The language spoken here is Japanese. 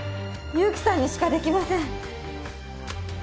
勇気さんにしかできません。